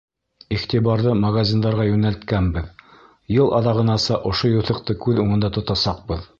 Иғтибарҙы магазиндарға йүнәлткәнбеҙ, йыл аҙағынаса ошо юҫыҡты күҙ уңында тотасаҡбыҙ.